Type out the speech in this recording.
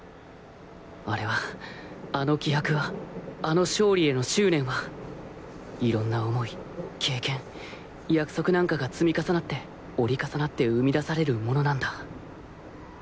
あれはあの気迫はあの勝利への執念はいろんな思い経験約束なんかが積み重なって折り重なって生み出されるものなんだ。